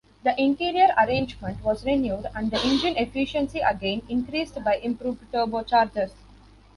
The interior arrangement was renewed and the engine efficiency again increased by improved turbochargers.